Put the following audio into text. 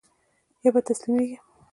يا به تسليمېږي.